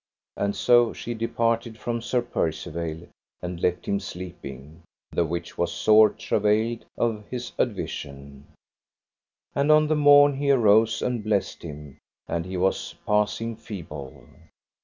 And so she departed from Sir Percivale and left him sleeping, the which was sore travailed of his advision. And on the morn he arose and blessed him, and he was passing feeble.